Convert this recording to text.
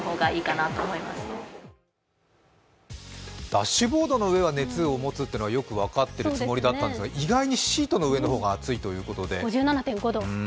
ダッシュボードの上は熱を持つというのはよく分かっていたつもりですが意外にシートの上の方が熱いということで。